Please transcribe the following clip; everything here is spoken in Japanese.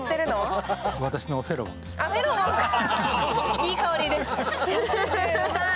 いい香りです。